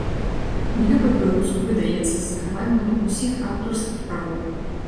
Кніга па-беларуску выдаецца з захаваннем усіх аўтарскіх правоў.